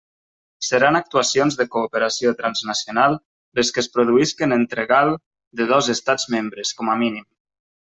Seran actuacions de cooperació transnacional les que es produïsquen entre GAL de dos estats membres, com a mínim.